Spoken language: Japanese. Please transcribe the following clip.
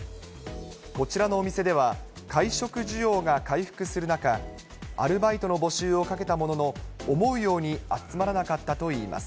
こちらのお店では、会食需要が回復する中、アルバイト募集をかけたものの、思うように集まらなかったといいます。